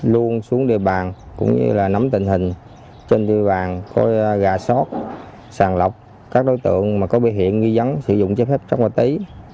luôn xuống địa bàn cũng như là nắm tình hình trên địa bàn có gà sót sàn lọc các đối tượng mà có bị hiện nghi dấn sử dụng chế phép chất hoa tí